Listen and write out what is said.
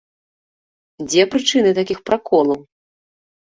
Дзе прычыны такіх праколаў?